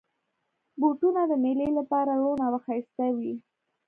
بوټونه د مېلې لپاره روڼ او ښایسته وي.